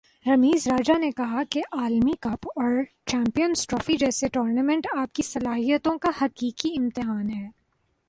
رمیز راجہ نے کہا کہ عالمی کپ اور چیمپئنز ٹرافی جیسے ٹورنامنٹ آپ کی صلاحیتوں کا حقیقی امتحان ہیں